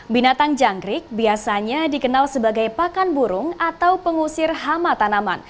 binatang jangkrik biasanya dikenal sebagai pakan burung atau pengusir hama tanaman